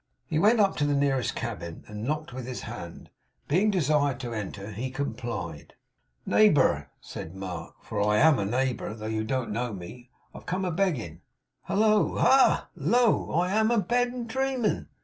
He went up to the nearest cabin, and knocked with his hand. Being desired to enter, he complied. 'Neighbour,' said Mark; 'for I AM a neighbour, though you don't know me; I've come a begging. Hallo! hal lo! Am I a bed, and dreaming!